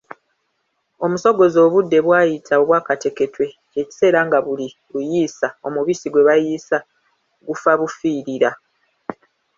Omusogozi obudde bwayita obwakateketwe kye kiseera nga buli luyiisa, omubisi gwe bayiisa gufabufiirira.